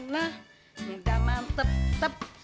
nih ga mantep tetep